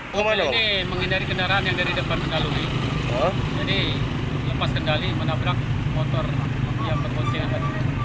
kami memas kendali menabrak motor yang berboncengan